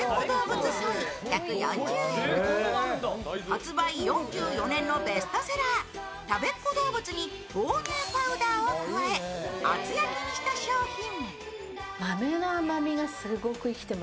発売４４年のベストセラー、たべっ子どうぶつに豆乳パウダーを加え、厚焼きにした商品。